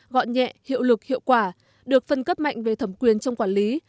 gọn nhẹ hiệu lực hiệu quả được phân cấp mạnh về thẩm quyền trong quản lý